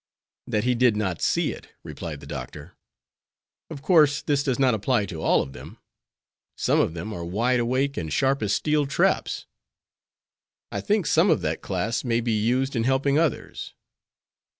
"That he did not see it," replied the doctor. "Of course, this does not apply to all of them. Some of them are wide awake and sharp as steel traps. I think some of that class may be used in helping others."